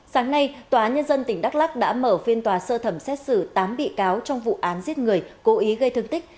sáng nay tòa nhân dân tỉnh đắk lắc đã mở phiên tòa sơ thẩm xét xử tám bị cáo trong vụ án giết người cố ý gây thương tích